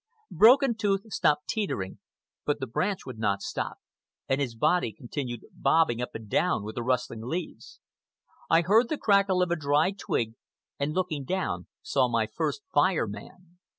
Broken Tooth stopped teetering, but the branch would not stop, and his body continued bobbing up and down with the rustling leaves. I heard the crackle of a dry twig, and looking down saw my first Fire Man.